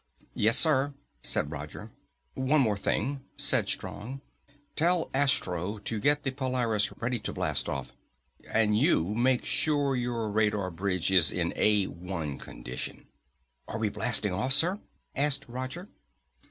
"Yes, sir," said Roger. "One more thing," said Strong, "tell Astro to get the Polaris ready to blast off. And you make sure your radar bridge is in A one condition." "Are we blasting off, sir?" asked Roger.